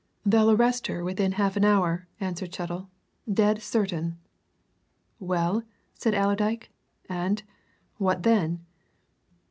"They'll arrest her within half an hour," answered Chettle. "Dead certain!" "Well?" said Allerdyke. "And what then!"